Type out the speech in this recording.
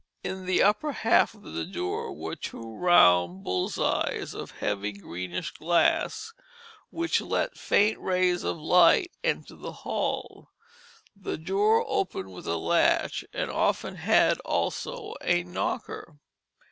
In the upper half of the door were two round bull's eyes of heavy greenish glass, which let faint rays of light enter the hall. The door opened with a latch, and often had also a knocker.